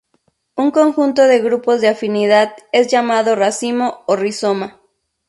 Un conjunto de grupos de afinidad es llamado racimo o rizoma.